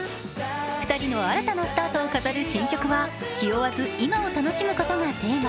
２人の新たなスタートを飾る新曲は「気負わず、今を楽しむこと」がテーマ。